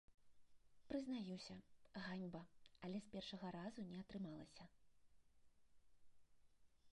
Прызнаюся, ганьба, але з першага разу не атрымалася.